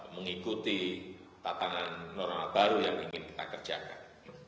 mengikuti tatanan normal baru yang ingin kita kerjakan